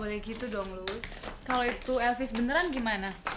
boleh gitu dong luz kalau itu elvis beneran gimana